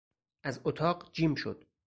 از اتاق جیم شد.